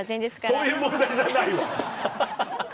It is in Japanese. そういう問題じゃないわハハハハ。